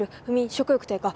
食欲低下。